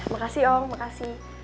makasih om makasih